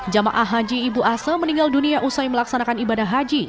jemaah haji ibu ase meninggal dunia usai melaksanakan ibadah haji